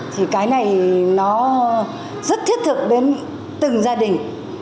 thì cái này nó rất thiết thực đến từng gia đình